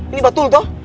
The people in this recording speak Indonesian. ini betul toh